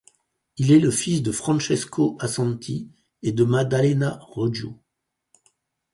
Il est le fils de Francesco Assanti et de Maddalena Rodio.